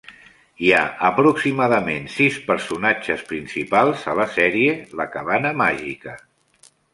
Hi ha aproximadament sis personatges principals a la sèrie "La cabana màgica".